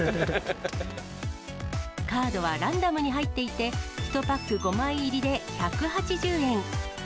カードはランダムに入っていて、１パック５枚入りで１８０円。